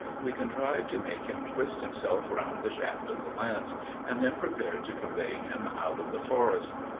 We contrived to make him twist himself round the shaft of the lance, and then prepared to convey him out of the forest.